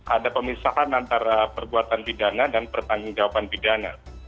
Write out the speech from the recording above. ada pemisahan antara perbuatan pidana dan pertanggungjawaban pidana